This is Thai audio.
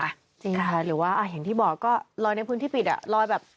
จริงค่ะหรือว่าอย่างที่บอกก็ลอยในพื้นที่ปิดอ่ะลอยแบบ